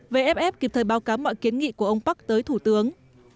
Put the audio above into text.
về ép ép kịp thời báo cáo mọi kiến nghị của ông park tới thủ tướng